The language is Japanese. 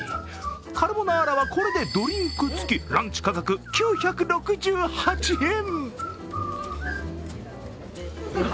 カルボナーラはこれでドリンクつき、ランチ価格９６８円。